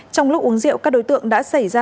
trong lúc uống rượu các đối tượng đã xảy ra